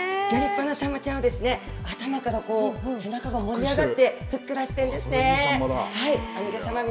ギョ立派なサンマちゃんを、頭から背中が盛り上がって、ふっくらしてるんですね。